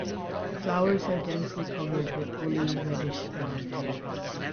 The flowers are densely covered with woolly reddish brown hairs.